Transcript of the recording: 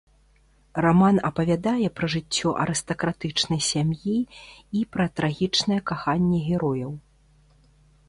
Раман апавядае пра жыццё арыстакратычнай сям'і і пра трагічнае каханне герояў.